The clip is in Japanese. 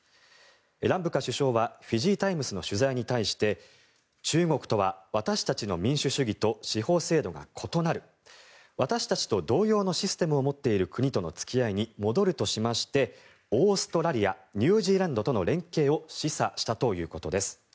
ランブカ首相はフィジータイムズの取材に対して中国とは私たちの民主主義と司法制度が異なる私たちと同様のシステムを持っている国との付き合いに戻るとしましてオーストラリアニュージーランドとの連携を示唆したということです。